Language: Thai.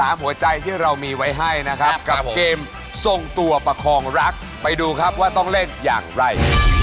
หัวใจที่เรามีไว้ให้นะครับกับเกมทรงตัวประคองรักไปดูครับว่าต้องเล่นอย่างไร